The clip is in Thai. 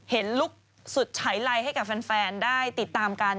เห็นลูกสุดใช้ไลก์ให้แฟนได้ติดตามกัน